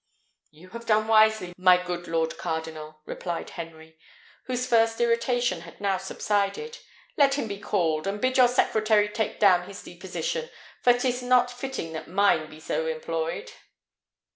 "You have done wisely, my good lord cardinal," replied Henry, whose first irritation had now subsided. "Let him be called, and bid your secretary take down his deposition, for 'tis not fitting that mine be so employed."